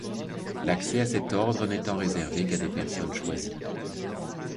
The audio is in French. L’accès à cet ordre n’étant réservé qu’à des personnes choisies.